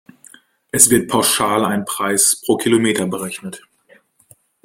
Es wird pauschal ein Preis pro Kilometer berechnet.